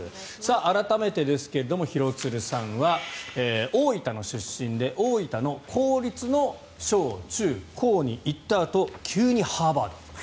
改めてですが廣津留さんは、大分の出身で大分の公立の小中高に行ったあと急にハーバード。